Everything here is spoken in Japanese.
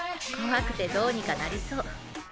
怖くてどうにかなりそう。